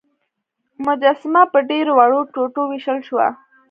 مجسمه په ډیرو وړو ټوټو ویشل شوه.